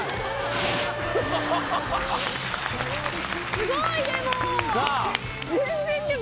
すごいでも！